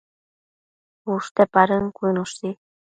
ushte padën cuënoshi